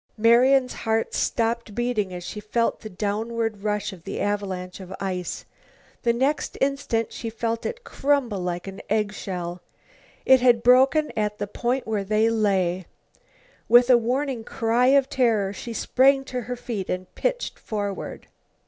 Marian's heart stopped beating as she felt the downward rush of the avalanche of ice. The next instant she felt it crumble like an egg shell. It had broken at the point where they lay. With a warning cry of terror she sprang to her feet and pitched forward.